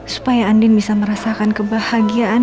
supaya andin bisa merasakan kebahagiaan